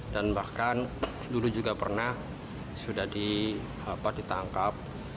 dan bahkan dulu juga pernah sudah ditangkap